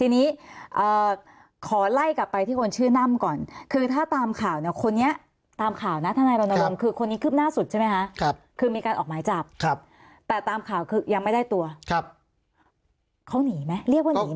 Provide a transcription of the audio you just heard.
ทีนี้ขอไล่กลับไปที่คนชื่อน่ำก่อนคือถ้าตามข่าวเนี่ยคนนี้ตามข่าวนะทนายรณรงค์คือคนนี้คืบหน้าสุดใช่ไหมคะคือมีการออกหมายจับแต่ตามข่าวคือยังไม่ได้ตัวเขาหนีไหมเรียกว่าหนีไหม